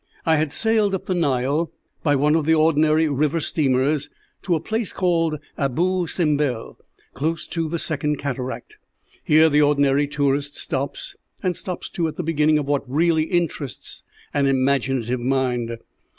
"I had sailed up the Nile, by one of the ordinary river steamers, to a place called Aboo Simbel, close to the Second Cataract. Here the ordinary tourist stops, and stops too at the beginning of what really interests an imaginative mind.